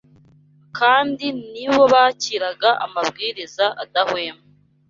kandi ni bo bakiraga amabwiriza adahwema